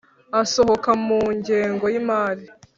asohoka mu ngengo y’imari.